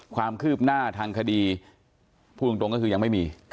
ความคืบหน้าทางคดีพูดตรงก็คือยังไม่มี